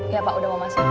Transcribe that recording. iya pak udah mau masuk